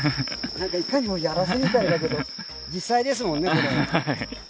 なんかいかにもやらせみたいだけど、実際ですもんね、これ。